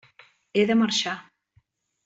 He de marxar.